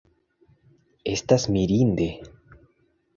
Estas mirinde.